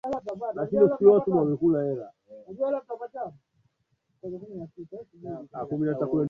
elimu ya kutosha kuhusu kujikinga na maambukizi ya virusi vya Corona inatolewa kila siku